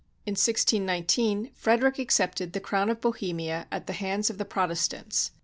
In 16 19, Frederick accepted the crown of Bohemia at the hands of the Protestants.